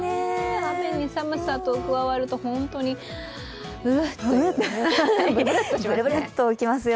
雨に寒さと加わると、本当に、ブルッとします。